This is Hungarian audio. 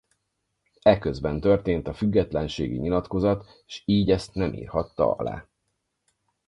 Eközben történt a függetlenségi nyilatkozat s így ezt nem írhatta alá.